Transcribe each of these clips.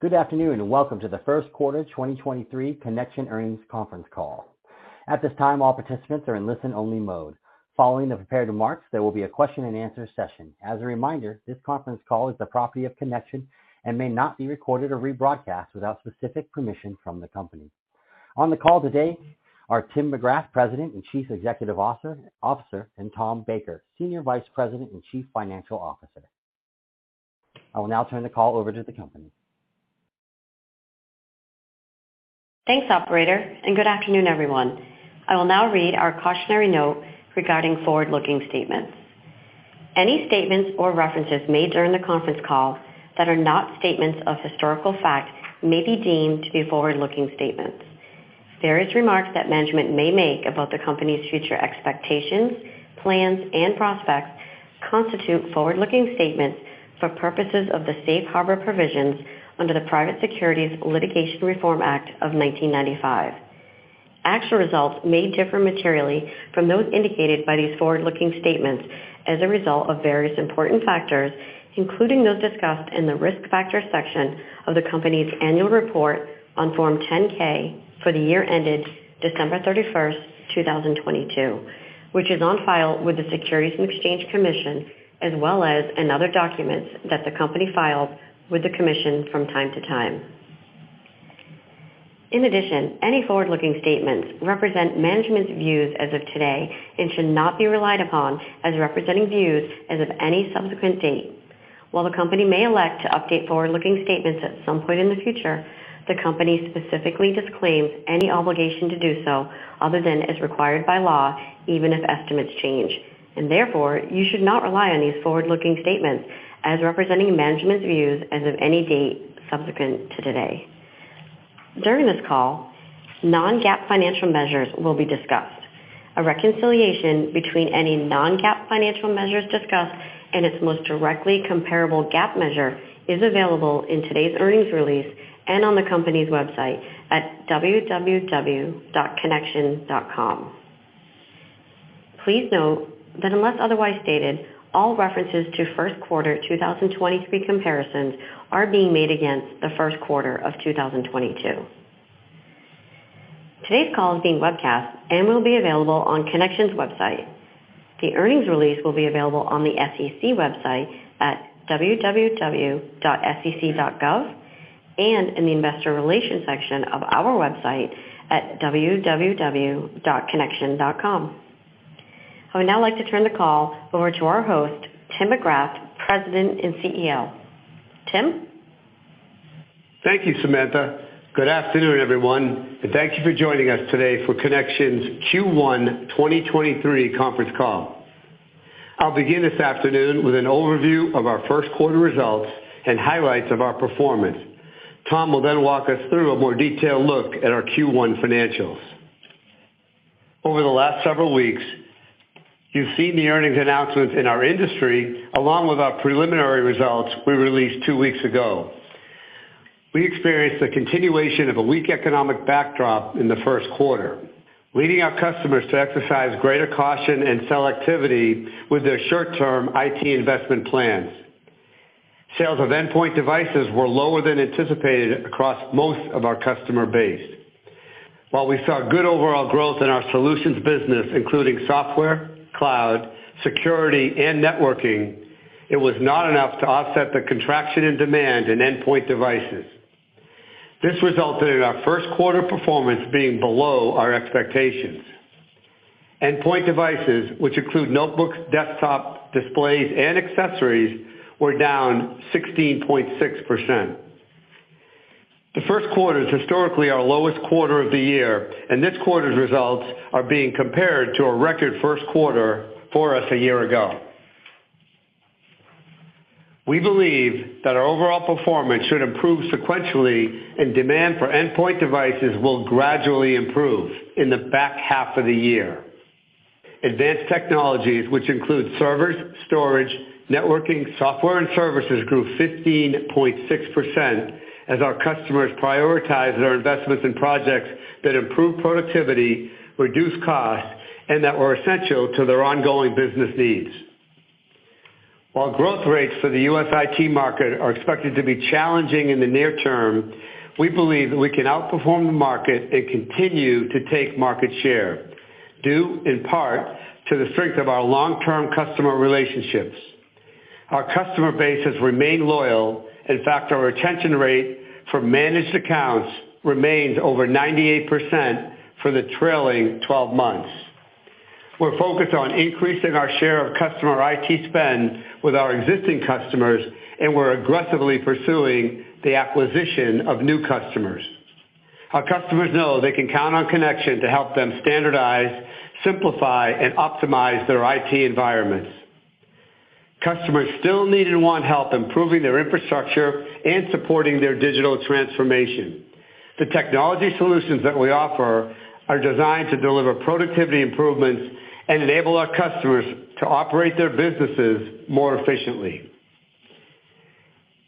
Good afternoon, welcome to the Q1 2023 Connection earnings conference call. At this time, all participants are in listen-only mode. Following the prepared remarks, there will be a question-and-answer session. As a reminder, this conference call is the property of Connection and may not be recorded or rebroadcast without specific permission from the company. On the call today are Tim McGrath, President and Chief Executive Officer, and Tom Baker, Senior Vice President and Chief Financial Officer. I will now turn the call over to the company. Thanks, operator, and good afternoon, everyone. I will now read our cautionary note regarding forward-looking statements. Any statements or references made during the conference call that are not statements of historical fact may be deemed to be forward-looking statements. Various remarks that management may make about the company's future expectations, plans, and prospects constitute forward-looking statements for purposes of the safe harbor provisions under the Private Securities Litigation Reform Act of 1995. Actual results may differ materially from those indicated by these forward-looking statements as a result of various important factors, including those discussed in the risk factors section of the company's annual report on Form 10-K for the year ended December 31st, 2022, which is on file with the Securities and Exchange Commission as well as in other documents that the company files with the commission from time to time. In addition, any forward-looking statements represent management's views as of today and should not be relied upon as representing views as of any subsequent date. While the company may elect to update forward-looking statements at some point in the future, the company specifically disclaims any obligation to do so other than as required by law, even if estimates change. Therefore, you should not rely on these forward-looking statements as representing management's views as of any date subsequent to today. During this call, non-GAAP financial measures will be discussed. A reconciliation between any non-GAAP financial measures discussed and its most directly comparable GAAP measure is available in today's earnings release and on the company's website at www.connection.com. Please note that unless otherwise stated, all references to Q1 2023 comparisons are being made against the Q1 of 2022. Today's call is being webcast and will be available on Connection's website. The earnings release will be available on the SEC website at www.sec.gov and in the investor relations section of our website at www.connection.com. I would now like to turn the call over to our host, Tim McGrath, President and CEO. Tim? Thank you, Samantha. Good afternoon, everyone, and thank you for joining us today for Connection's Q1 2023 conference call. I'll begin this afternoon with an overview of our Q1 results and highlights of our performance. Tom will then walk us through a more detailed look at our Q1 financials. Over the last several weeks, you've seen the earnings announcements in our industry, along with our preliminary results we released two weeks ago. We experienced a continuation of a weak economic backdrop in the Q1, leading our customers to exercise greater caution and selectivity with their short-term IT investment plans. Sales of endpoint devices were lower than anticipated across most of our customer base. While we saw good overall growth in our solutions business, including software, cloud, security, and networking, it was not enough to offset the contraction in demand in endpoint devices. This resulted in our Q1 performance being below our expectations. Endpoint devices, which include notebooks, desktops, displays, and accessories, were down 16.6%. The Q1 is historically our lowest quarter of the year, and this quarter's results are being compared to a record Q1 for us a year ago. We believe that our overall performance should improve sequentially, and demand for endpoint devices will gradually improve in the back half of the year. Advanced technologies, which include servers, storage, networking, software, and services, grew 15.6% as our customers prioritized their investments in projects that improve productivity, reduce costs, and that were essential to their ongoing business needs. While growth rates for the US IT market are expected to be challenging in the near term, we believe we can outperform the market and continue to take market share, due in part to the strength of our long-term customer relationships. Our customer base has remained loyal. In fact, our retention rate for managed accounts remains over 98% for the trailing twelve months. We're focused on increasing our share of customer IT spend with our existing customers. We're aggressively pursuing the acquisition of new customers. Our customers know they can count on Connection to help them standardize, simplify, and optimize their IT environments. Customers still need and want help improving their infrastructure and supporting their digital transformation. The technology solutions that we offer are designed to deliver productivity improvements and enable our customers to operate their businesses more efficiently.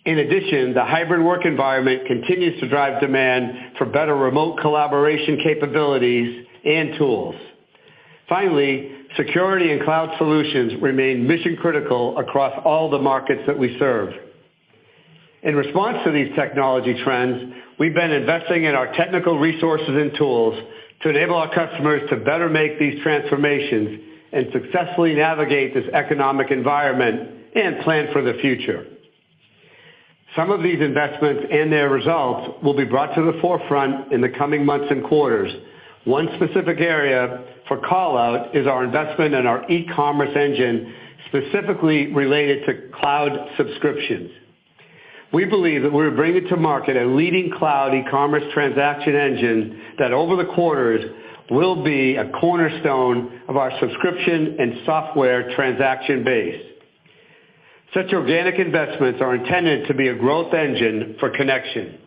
In addition, the hybrid work environment continues to drive demand for better remote collaboration capabilities and tools. Finally, security and cloud solutions remain mission-critical across all the markets that we serve. In response to these technology trends, we've been investing in our technical resources and tools to enable our customers to better make these transformations, and successfully navigate this economic environment, and plan for the future. Some of these investments and their results will be brought to the forefront in the coming months and quarters. One specific area for call-out is our investment in our e-commerce engine, specifically related to cloud subscriptions. We believe that we're bringing to market a leading cloud e-commerce transaction engine that over the quarters will be a cornerstone of our subscription and software transaction base. Such organic investments are intended to be a growth engine for Connection.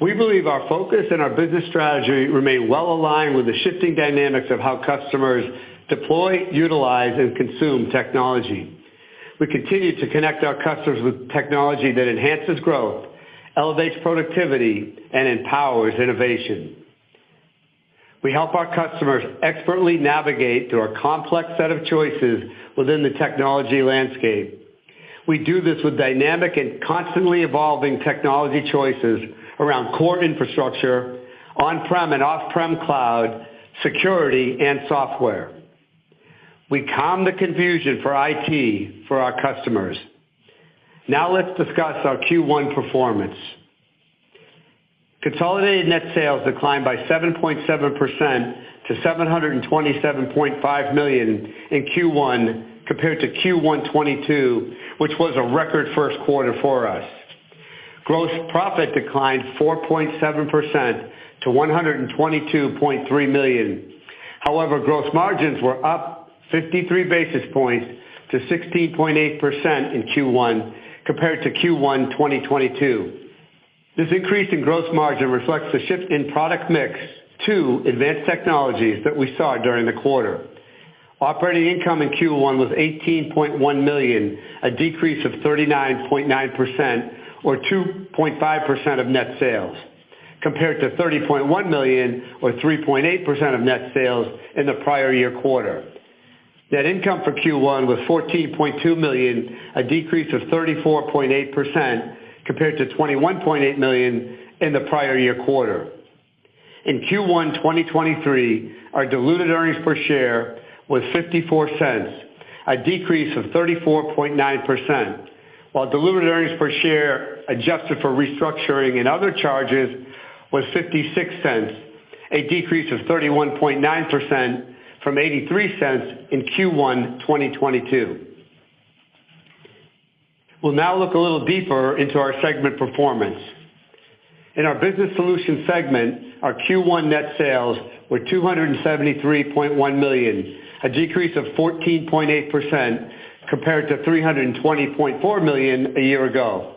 We believe our focus and our business strategy remain well aligned with the shifting dynamics of how customers deploy, utilize, and consume technology. We continue to connect our customers with technology that enhances growth, elevates productivity, and empowers innovation. We help our customers expertly navigate through our complex set of choices within the technology landscape. We do this with dynamic and constantly evolving technology choices around core infrastructure, on-prem and off-prem cloud, security, and software. We calm the confusion for IT for our customers. Now let's discuss our Q1 performance. Consolidated net sales declined by 7.7% to $727.5 million in Q1 compared to Q1 '22, which was a record Q1 for us. Gross profit declined 4.7% to $122.3 million. Gross margins were up 53 basis points to 16.8% in Q1 compared to Q1 2022. This increase in gross margin reflects the shift in product mix to advanced technologies that we saw during the quarter. Operating income in Q1 was $18.1 million, a decrease of 39.9% or 2.5% of net sales, compared to $30.1 million or 3.8% of net sales in the prior year quarter. Net income for Q1 was $14.2 million, a decrease of 34.8% compared to $21.8 million in the prior year quarter. In Q1 2023, our diluted earnings per share was $0.54, a decrease of 34.9%, while diluted earnings per share adjusted for restructuring and other charges was $0.56, a decrease of 31.9% from $0.83 in Q1 2022. We'll now look a little deeper into our segment performance. In our Business Solutions segment, our Q1 net sales were $273.1 million, a decrease of 14.8% compared to $320.4 million a year ago.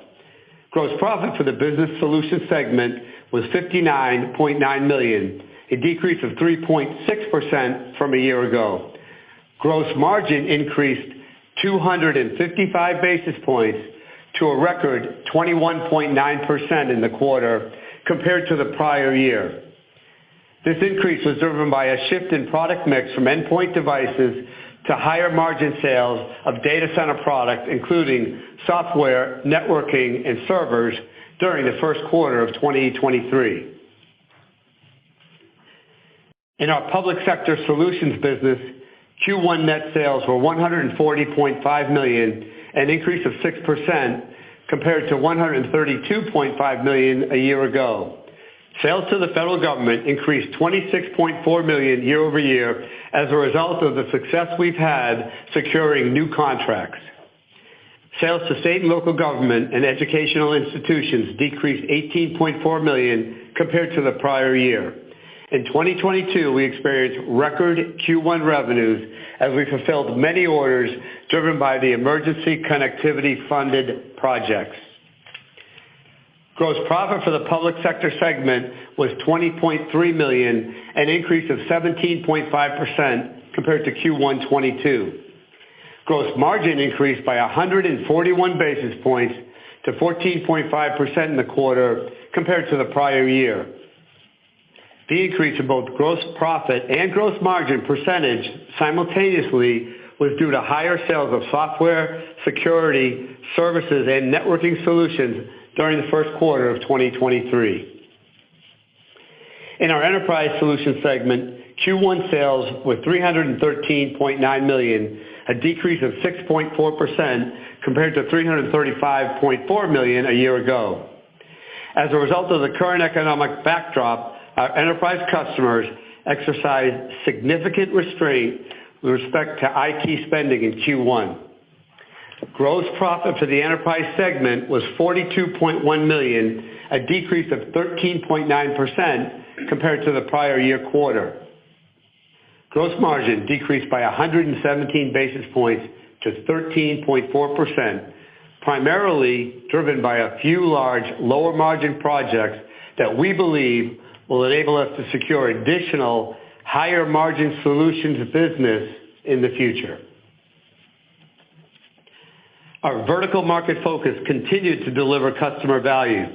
Gross profit for the Business Solutions segment was $59.9 million, a decrease of 3.6% from a year ago. Gross margin increased 255 basis points to a record 21.9% in the quarter compared to the prior year. This increase was driven by a shift in product mix from endpoint devices to higher-margin sales of data center products, including software, networking, and servers during the Q1 of 2023. In our Public Sector Solutions business, Q1 net sales were $140.5 million, an increase of 6% compared to $132.5 million a year ago. Sales to the federal government increased $26.4 million year-over-year as a result of the success we've had securing new contracts. Sales to state and local government and educational institutions decreased $18.4 million compared to the prior year. In 2022, we experienced record Q1 revenues as we fulfilled many orders driven by the Emergency Connectivity-funded projects. Gross profit for the Public Sector segment was $20.3 million, an increase of 17.5% compared to Q1 '22. Gross margin increased by 141 basis points to 14.5% in the quarter compared to the prior year. The increase in both gross profit and gross margin percentage simultaneously was due to higher sales of software, security, services, and networking solutions during the Q1 of 2023. In our Enterprise Solutions segment, Q1 sales were $313.9 million, a decrease of 6.4% compared to $335.4 million a year ago. As a result of the current economic backdrop, our enterprise customers exercised significant restraint with respect to IT spending in Q1. Gross profit for the Enterprise segment was $42.1 million, a decrease of 13.9% compared to the prior year quarter. Gross margin decreased by 117 basis points to 13.4%, primarily driven by a few large lower-margin projects that we believe will enable us to secure additional higher-margin solutions business in the future. Our vertical market focus continued to deliver customer value.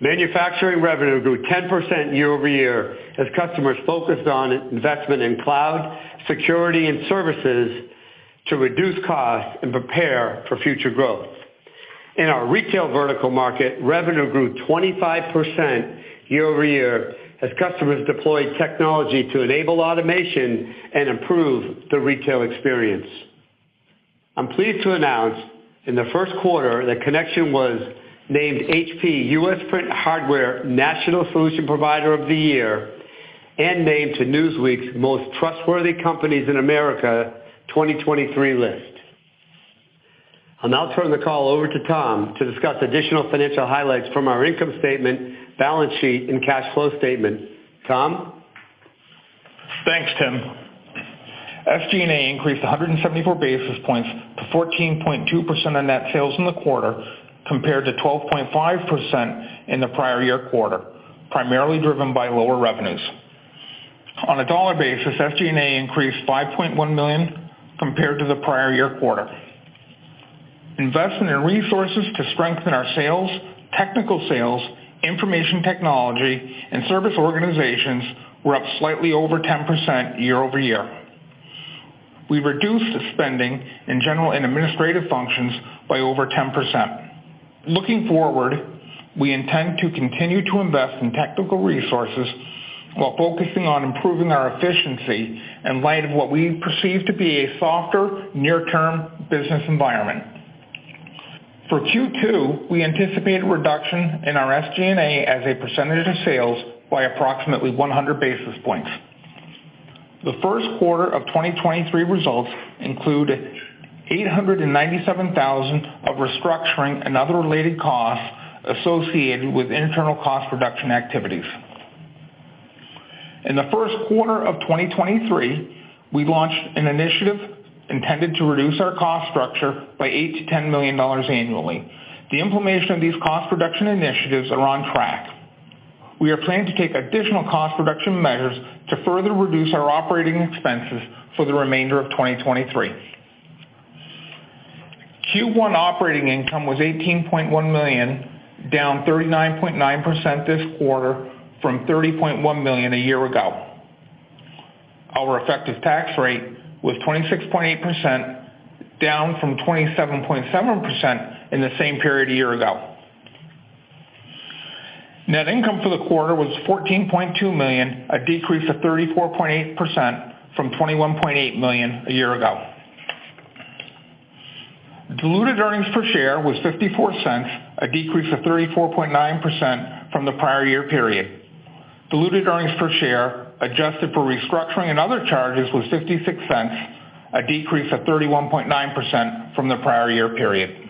Manufacturing revenue grew 10% year-over-year as customers focused on investment in cloud, security and services to reduce costs and prepare for future growth. In our retail vertical market, revenue grew 25% year-over-year as customers deployed technology to enable automation and improve the retail experience. I'm pleased to announce in the Q1 that Connection was named HP U.S. Print Hardware National Solution Provider of the Year and named to Newsweek's Most Trustworthy Companies in America 2023 list. I'll now turn the call over to Tom to discuss additional financial highlights from our income statement, balance sheet and cash flow statement. Tom? Thanks, Tim. SG&A increased 174 basis points to 14.2% of net sales in the quarter, compared to 12.5% in the prior year quarter, primarily driven by lower revenues. On a dollar basis, SG&A increased $5.1 million compared to the prior year quarter. Investment in resources to strengthen our sales, technical sales, information technology and service organizations were up slightly over 10% year-over-year. We reduced spending in general and administrative functions by over 10%. Looking forward, we intend to continue to invest in technical resources while focusing on improving our efficiency in light of what we perceive to be a softer near-term business environment. For Q2, we anticipate a reduction in our SG&A as a percentage of sales by approximately 100 basis points. The Q1 of 2023 results include $897,000 of restructuring and other related costs associated with internal cost reduction activities. In the Q1 of 2023, we launched an initiative intended to reduce our cost structure by $8 million-$10 million annually. The implementation of these cost reduction initiatives are on track. We are planning to take additional cost reduction measures to further reduce our operating expenses for the remainder of 2023. Q1 operating income was $18.1 million, down 39.9% this quarter from $30.1 million a year ago. Our effective tax rate was 26.8%, down from 27.7% in the same period a year ago. Net income for the quarter was $14.2 million, a decrease of 34.8% from $21.8 million a year ago. Diluted earnings per share was $0.54, a decrease of 34.9% from the prior year period. Diluted earnings per share adjusted for restructuring and other charges was $0.56, a decrease of 31.9% from the prior year period.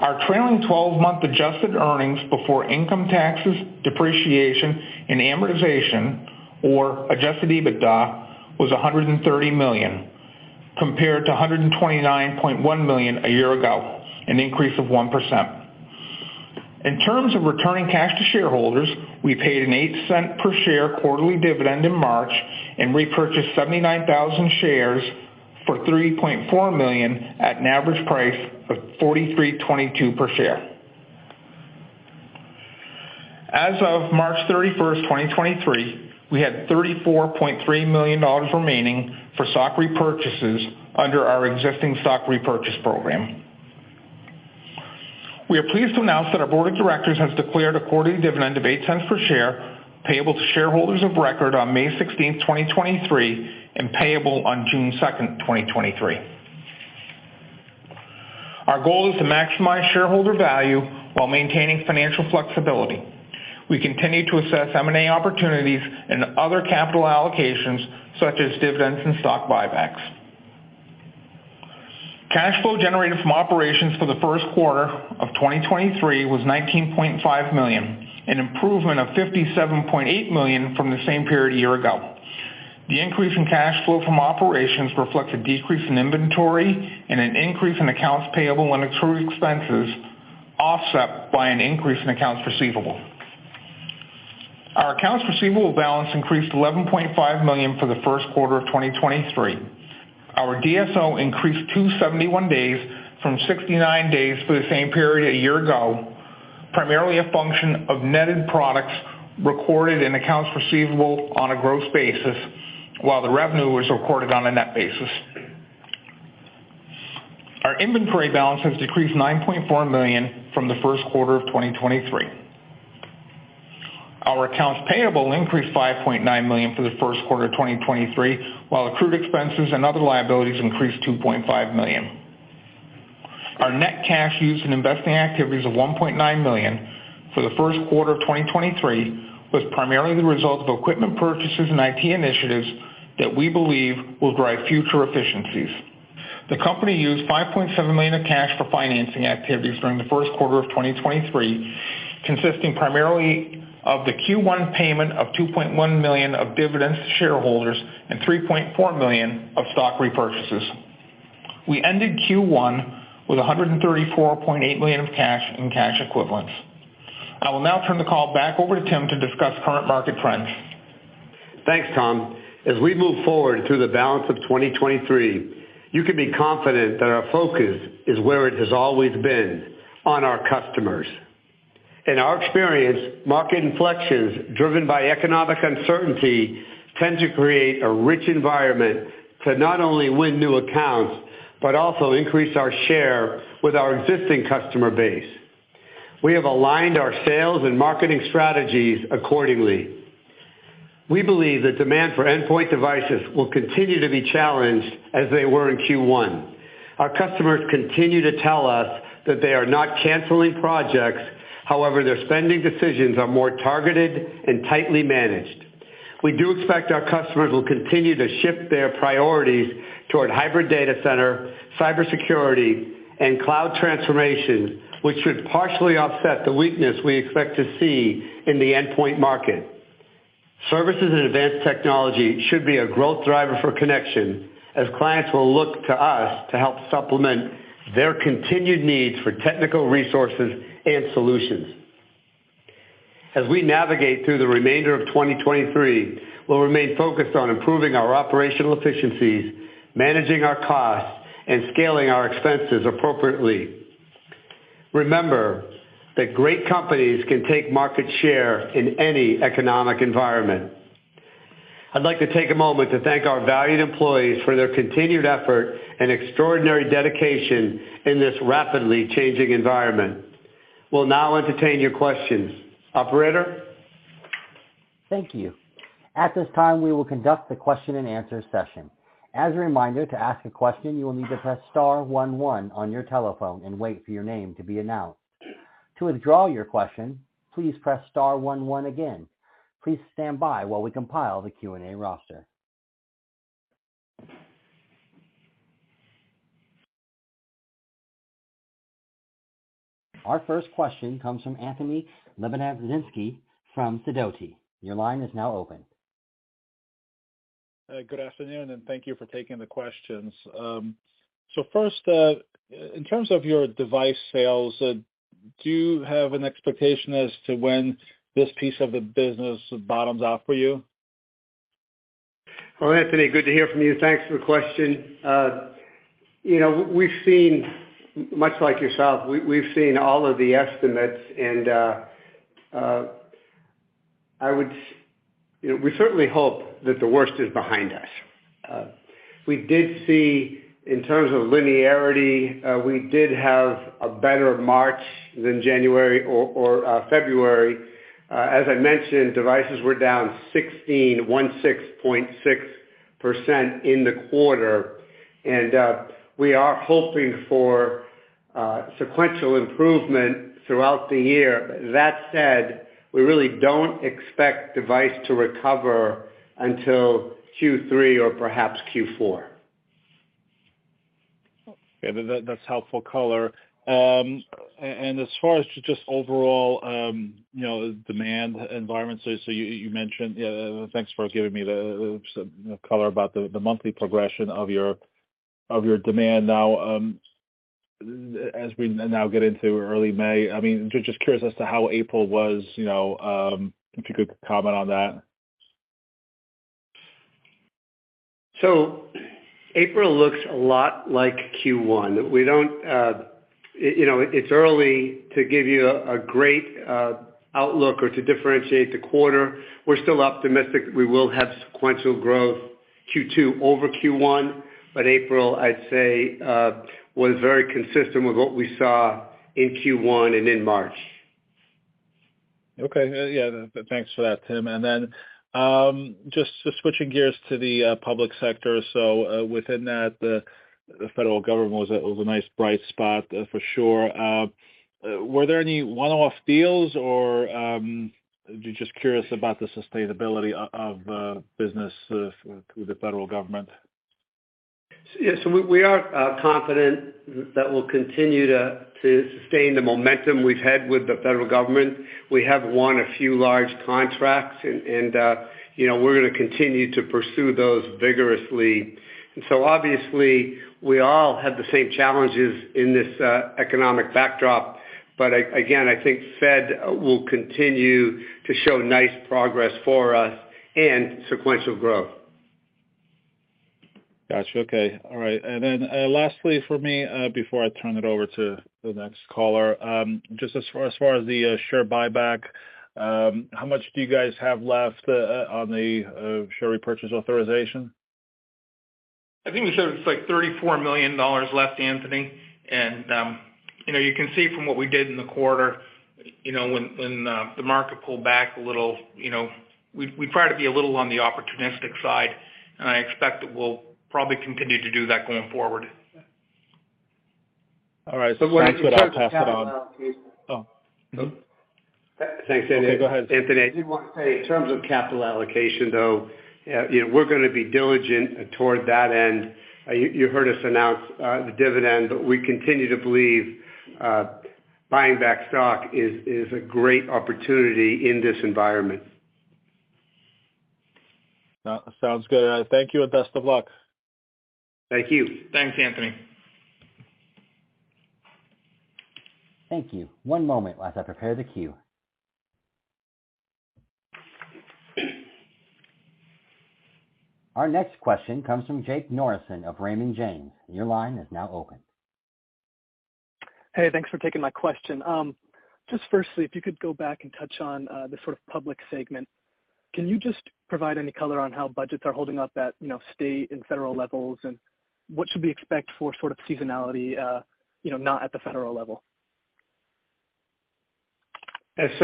Our trailing twelve-month adjusted earnings before income taxes, depreciation and amortization, or adjusted EBITDA, was $130 million, compared to $129.1 million a year ago, an increase of 1%. In terms of returning cash to shareholders, we paid an $0.08 per share quarterly dividend in March and repurchased 79,000 shares for $3.4 million at an average price of $43.22 per share. As of March 31, 2023, we had $34.3 million remaining for stock repurchases under our existing stock repurchase program. We are pleased to announce that our board of directors has declared a quarterly dividend of $0.08 per share, payable to shareholders of record on May 16, 2023, and payable on June 2, 2023. Our goal is to maximize shareholder value while maintaining financial flexibility. We continue to assess M&A opportunities and other capital allocations, such as dividends and stock buybacks. Cash flow generated from operations for the Q1 of 2023 was $19.5 million, an improvement of $57.8 million from the same period a year ago. The increase in cash flow from operations reflects a decrease in inventory and an increase in accounts payable and accrued expenses, offset by an increase in accounts receivable. Our accounts receivable balance increased $11.5 million for the Q1 of 2023. Our DSO increased 271 days from 69 days for the same period a year ago, primarily a function of netted products recorded in accounts receivable on a gross basis, while the revenue was recorded on a net basis. Our inventory balance has decreased $9.4 million from the Q1 of 2023. Our accounts payable increased $5.9 million for the Q1 of 2023, while accrued expenses and other liabilities increased $2.5 million. Our net cash used in investing activities of $1.9 million for the Q1 of 2023 was primarily the result of equipment purchases and IT initiatives that we believe will drive future efficiencies. The company used $5.7 million of cash for financing activities during the Q1 of 2023, consisting primarily of the Q1 payment of $2.1 million of dividends to shareholders and $3.4 million of stock repurchases. We ended Q1 with $134.8 million of cash and cash equivalents. I will now turn the call back over to Tim to discuss current market trends. Thanks, Tom. As we move forward through the balance of 2023, you can be confident that our focus is where it has always been, on our customers. In our experience, market inflections driven by economic uncertainty tend to create a rich environment to not only win new accounts but also increase our share with our existing customer base. We have aligned our sales and marketing strategies accordingly. We believe that demand for endpoint devices will continue to be challenged as they were in Q1. Our customers continue to tell us that they are not canceling projects. However, their spending decisions are more targeted and tightly managed. We do expect our customers will continue to shift their priorities toward hybrid data center, cybersecurity, and cloud transformation, which should partially offset the weakness we expect to see in the endpoint market. Services and advanced technology should be a growth driver for Connection as clients will look to us to help supplement their continued needs for technical resources and solutions. As we navigate through the remainder of 2023, we'll remain focused on improving our operational efficiencies, managing our costs, and scaling our expenses appropriately. Remember that great companies can take market share in any economic environment. I'd like to take a moment to thank our valued employees for their continued effort and extraordinary dedication in this rapidly changing environment. We'll now entertain your questions. Operator? Thank you. At this time, we will conduct the question-and-answer session. As a reminder, to ask a question, you will need to press star one one on your telephone and wait for your name to be announced. To withdraw your question, please press star one one again. Please stand by while we compile the Q&A roster. Our first question comes from Anthony Lebiedzinski from Sidoti. Your line is now open. Good afternoon. Thank you for taking the questions. First, in terms of your device sales, do you have an expectation as to when this piece of the business bottoms out for you? Well, Anthony, good to hear from you. Thanks for the question. You know, much like yourself, we've seen all of the estimates. You know, we certainly hope that the worst is behind us. We did see, in terms of linearity, we did have a better March than January or February. As I mentioned, devices were down 16.6% in the quarter. We are hoping for sequential improvement throughout the year. That said, we really don't expect device to recover until Q3 or perhaps Q4. Yeah, that's helpful color. As far as just overall, you know, demand environments, so you mentioned. Yeah, thanks for giving me the color about the monthly progression of your demand now. As we now get into early May, I mean, just curious as to how April was, you know, if you could comment on that? April looks a lot like Q1. We don't. You know, it's early to give you a great outlook or to differentiate the quarter. We're still optimistic we will have sequential growth Q2 over Q1, but April, I'd say, was very consistent with what we saw in Q1 and in March. Yeah, thanks for that, Tim. Just switching gears to the public sector. Within that, the federal government was a nice bright spot for sure. Were there any one-off deals or just curious about the sustainability of the business with the federal government? Yeah. We are confident that we'll continue to sustain the momentum we've had with the federal government. We have won a few large contracts and, you know, we're gonna continue to pursue those vigorously. Obviously we all have the same challenges in this economic backdrop, but again, I think Fed will continue to show nice progress for us and sequential growth. Gotcha. Okay. All right. Lastly for me, before I turn it over to the next caller, just as far as the share buyback, how much do you guys have left on the share repurchase authorization? I think we said it's like $34 million left, Anthony. You know, you can see from what we did in the quarter, you know, when the market pulled back a little, you know, we try to be a little on the opportunistic side, and I expect that we'll probably continue to do that going forward. All right. With that I'll pass it on. Thanks, Anthony. Okay, go ahead. Anthony, I did want to say in terms of capital allocation, though, you know, we're gonna be diligent toward that end. You heard us announce the dividend. We continue to believe buying back stock is a great opportunity in this environment. Sounds good. Thank you, and best of luck. Thank you. Thanks, Anthony. Thank you. One moment as I prepare the queue. Our next question comes from Jacob Norlander of Raymond James. Your line is now open. Hey, thanks for taking my question. Just firstly, if you could go back and touch on the sort of public segment. Can you just provide any color on how budgets are holding up at, you know, state and federal levels, and what should we expect for sort of seasonality, you know, not at the federal level? Thanks,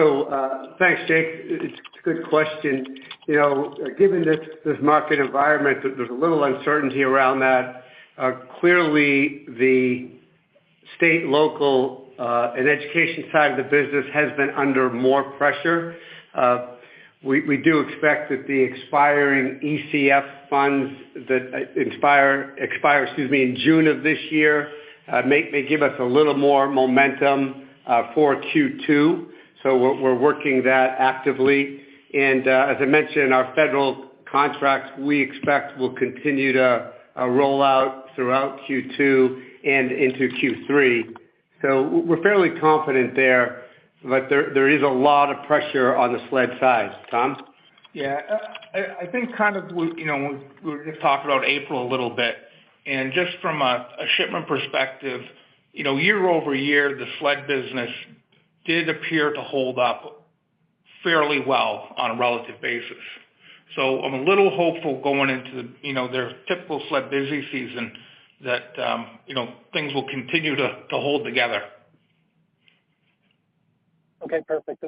Jake. It's a good question. You know, given this market environment, there's a little uncertainty around that. Clearly the state, local, and education side of the business has been under more pressure. We do expect that the expiring ECF funds that expire, excuse me, in June of this year, may give us a little more momentum for Q2. We're working that actively. As I mentioned, our federal contracts, we expect will continue to roll out throughout Q2 and into Q3. We're fairly confident there, but there is a lot of pressure on the SLED side. Tom? Yeah. I think kind of we, you know, we were just talking about April a little bit. Just from a shipment perspective, you know, year-over-year, the SLED business did appear to hold up fairly well on a relative basis. I'm a little hopeful going into, you know, their typical SLED busy season that, you know, things will continue to hold together. Okay, perfect.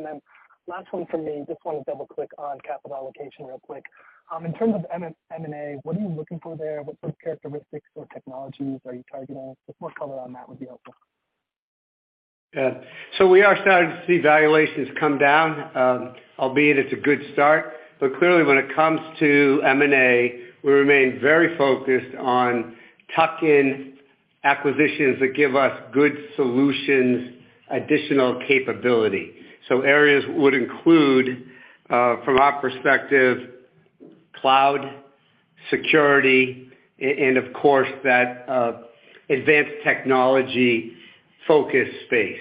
Last one from me, just wanna double-click on capital allocation real quick. In terms of M&A, what are you looking for there? What characteristics or technologies are you targeting? Just more color on that would be helpful. Yeah. We are starting to see valuations come down, albeit it's a good start. Clearly, when it comes to M&A, we remain very focused on tuck-in acquisitions that give us good solutions, additional capability. Areas would include, from our perspective, cloud security and of course that advanced technology focus space.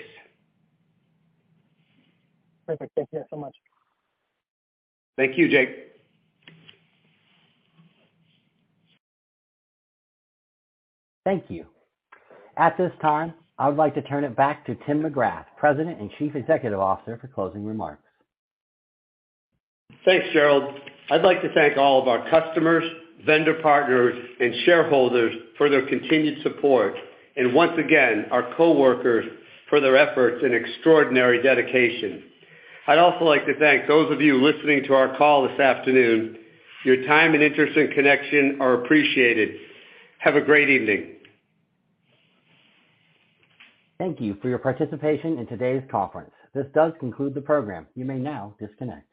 Perfect. Thank you so much. Thank you, Jake. Thank you. At this time, I would like to turn it back to Tim McGrath, President and Chief Executive Officer for closing remarks. Thanks, Gerald. I'd like to thank all of our customers, vendor partners and shareholders for their continued support. Once again, our coworkers for their efforts and extraordinary dedication. I'd also like to thank those of you listening to our call this afternoon. Your time and interest and Connection are appreciated. Have a great evening. Thank you for your participation in today's conference. This does conclude the program. You may now disconnect.